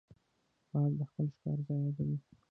باز د خپل ښکار ځای یادوي